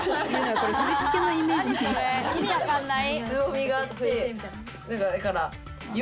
意味分かんない。